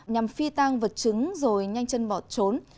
nhằm phi tăng vật chứng rồi nhanh chân bỏ trốn